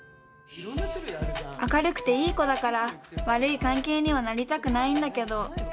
明るくていい子だから悪い関係にはなりたくないんだけど。